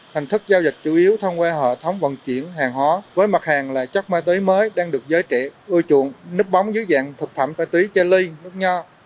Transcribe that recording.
hành thức giao dịch chủ yếu thông qua hệ thống vận chuyển hàng hóa với mặt hàng là chất máy tí mới đang được giới trị ưu chuộng nứt bóng dưới dạng thực phẩm máy tí chê ly nứt nho